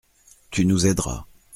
Tu nous aideras.